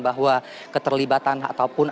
bahwa keterlibatan ataupun